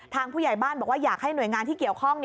ผู้ใหญ่บ้านบอกว่าอยากให้หน่วยงานที่เกี่ยวข้อง